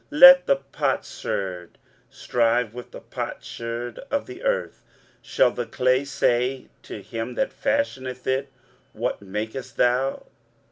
Let the potsherd strive with the potsherds of the earth. Shall the clay say to him that fashioneth it, What makest thou?